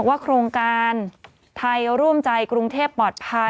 ว่าโครงการไทยร่วมใจกรุงเทพปลอดภัย